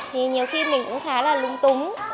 thì nhiều khi mình cũng khá là lung túng